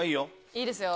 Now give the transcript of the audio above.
いいですね！